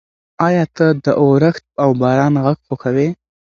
ایا ته د اورښت او باران غږ خوښوې؟